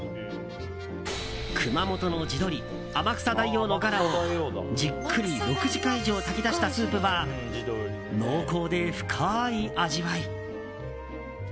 熊本の自撮り、天草大王のガラをじっくり６時間以上炊き出したスープは濃厚で深い味わい。